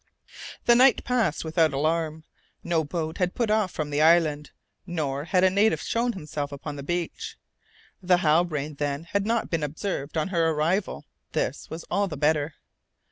The night passed without alarm. No boat had put off from the island, nor had a native shown himself upon the beach. The Halbrane, then, had not been observed on her arrival; this was all the better.